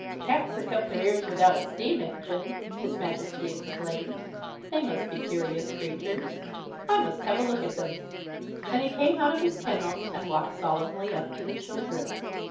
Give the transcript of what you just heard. "Can't prick up their ears without a steam engine!" His Majesty exclaimed. "They must be curious creatures! I must have a look at them!" And he came out of his Kennel, and walked solemnly up to the children.